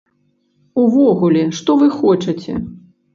Увогуле, што вы хочаце?